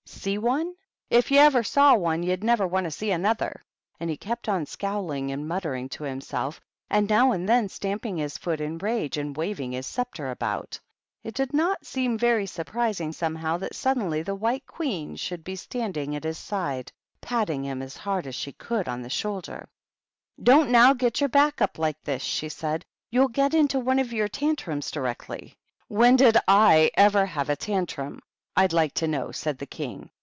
" See one ? If you ever saw one, you'd never want to see another !" And he kept on scowling and muttering to himself, and now and then stamp ing his foot in rage, and waving his sceptre about. It did not seem very surprising, somehow, that suddenly the White Queen should be standing at his side, patting him as hard as she could on the 176 THE BISHOPS. shoulder. "Don't, now, get your back up like this," she said. " You'll get into one of your tantrums directly." " When did / ever have a tantrum, I'd like to know?" said the King.